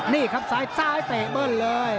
นี่ครับซ้ายเตะเบิ้ลเลย